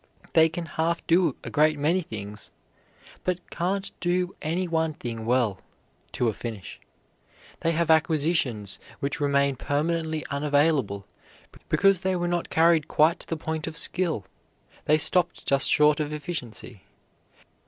They can half do a great many things, but can't do any one thing well, to a finish. They have acquisitions which remain permanently unavailable because they were not carried quite to the point of skill; they stopped just short of efficiency.